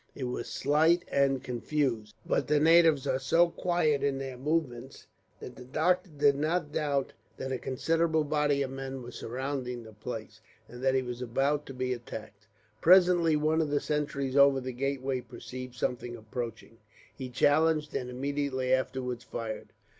It was slight and confused, but the natives are so quiet in their movements, that the doctor did not doubt that a considerable body of men were surrounding the place, and that he was about to be attacked. Presently one of the sentries over the gateway perceived something approaching. He challenged, and immediately afterwards fired.